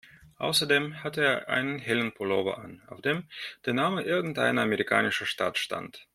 Außerdem hatte er einen hellen Pullover an, auf dem der Name irgendeiner amerikanischen Stadt stand.